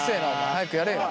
早くやれよ。